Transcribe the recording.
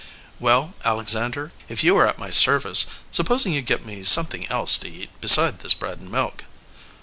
"Well, Alexander, if you are at my service, supposing you get me something else to eat beside this bread and milk."